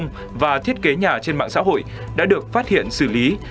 nhiều dịch vụ thi công và thiết kế nhà trên mạng xã hội đã được phát hiện xử lý